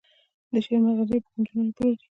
د شعر مرغلرې په کونجکو نه پلوري.